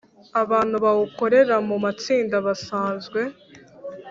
Abantu bawukorera mu matsinda basanzwe